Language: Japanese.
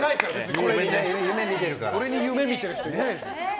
これに夢見てる人いないですよ。